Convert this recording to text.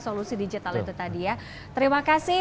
solusi digital itu tadi ya terima kasih